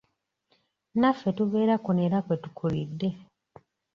Naffe tubeera kuno era kwe tukulidde.